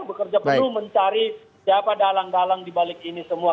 bekerja penuh mencari siapa dalang dalang dibalik ini semua